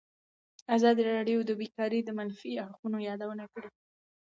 ازادي راډیو د بیکاري د منفي اړخونو یادونه کړې.